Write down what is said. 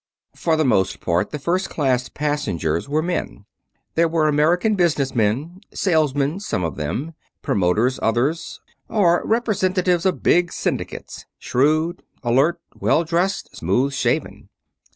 For the most part, the first class passengers were men. There were American business men salesmen, some of them, promoters others, or representatives of big syndicates shrewd, alert, well dressed, smooth shaven.